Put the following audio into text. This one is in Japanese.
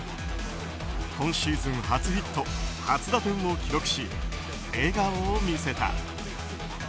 今シーズン初ヒット初打点を記録し笑顔を見せた。